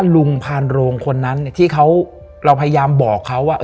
ลุงพานโรงคนนั้นที่เราพยายามบอกเขาว่า